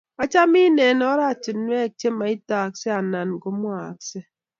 achamin eng' oratunuek chemaitaksei anan ko mwaaksei